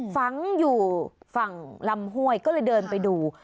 ฝังอยู่ฝั่งลำห้วยก็เลยเดินไปดู